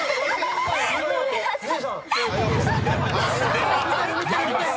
［では参ります。